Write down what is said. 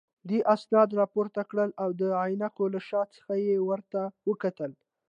دې اسناد راپورته کړل او د عینکو له شا څخه یې ورته وکتل.